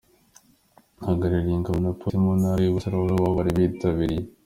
Abahagarariye ingabo na polisi mu ntara y'Iburasirazuba bari bitabiriye.